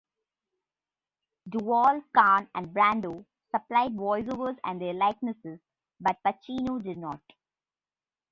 Duvall, Caan, and Brando supplied voiceovers and their likenesses, but Pacino did not.